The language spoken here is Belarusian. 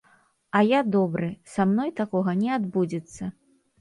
А я добры, са мной такога не адбудзецца.